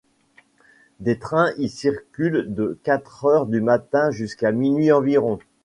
Des trains y circulent de quatre heures du matin jusqu'à minuit environ.